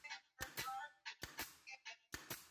Ndege huyu anaimba vizuri sana kila asubuhi.